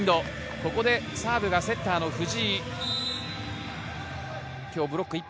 ここでサーブがセッターの藤井。